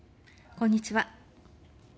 こんにちは。